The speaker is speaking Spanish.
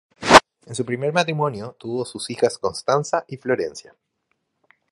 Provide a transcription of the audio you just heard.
En su primer matrimonio tuvo sus hijas Constanza y Florencia.